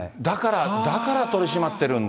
だから取り締まってるんだ。